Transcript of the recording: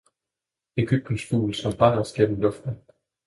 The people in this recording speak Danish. Ægyptens fugl, som bar os gennem luften!